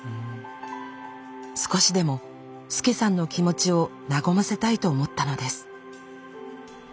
少しでもスケサンの気持ちを和ませたいと思ったのです。